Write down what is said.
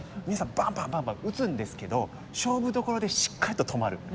バンバンバンバン打つんですけど勝負どころでしっかりと止まる。